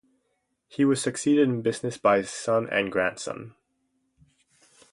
He was succeeded in business by his son and grandson.